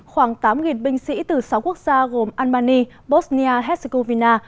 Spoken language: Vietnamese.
khoảng tám binh sĩ từ sáu quốc gia gồm albania bosnia herzegovina